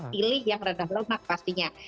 pilih yang rendah lemak pastinya